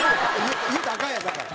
言うたらアカンやんだから。